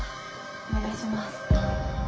お願いします。